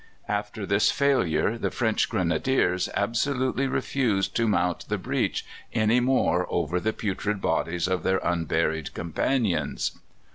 After this failure the French Grenadiers absolutely refused to mount the breach any more over the putrid bodies of their unburied companions.